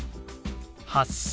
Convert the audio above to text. ８０００。